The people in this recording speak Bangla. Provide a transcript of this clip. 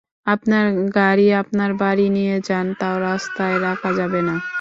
আপনার গাড়ি আপনার বাড়ি নিয়ে যান তাও রাস্তায় রাখা যাবে না।